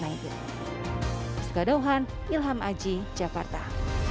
mas gadawhan ilham aji jakarta